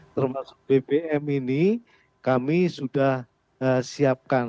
termasuk bbm ini kami sudah siapkan